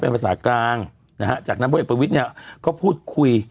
เป็นภาษากลางนะฮะจากนั้นพลเอกประวิทย์เนี่ยก็พูดคุย